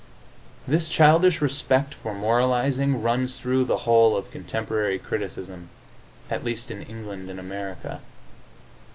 This childish respect for moralizing runs through the whole of contemporary criticism at least in England and America.